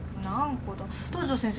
東上先生